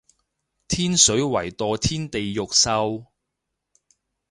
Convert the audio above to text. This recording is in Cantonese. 天水圍墮天地獄獸